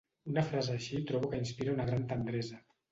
Una frase així trobo que inspira una gran tendresa.